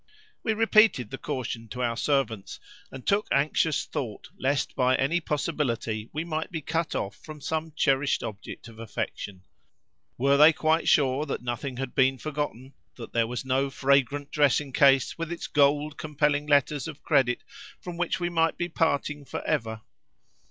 We repeated the caution to our servants, and took anxious thought lest by any possibility we might be cut off from some cherished object of affection:—were they quite sure that nothing had been forgotten—that there was no fragrant dressing case with its gold compelling letters of credit from which we might be parting for ever?